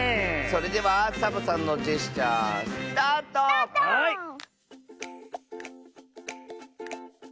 それではサボさんのジェスチャースタート！スタート！